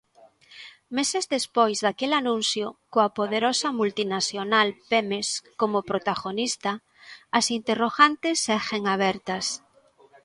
Meses despois daquel anuncio, coa poderosa multinacional Pemex como protagonista, as interrogantes seguen abertas.